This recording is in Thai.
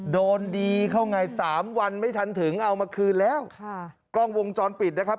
โดนดีเข้าไงสามวันไม่ทันถึงเอามาคืนแล้วค่ะกล้องวงจรปิดนะครับ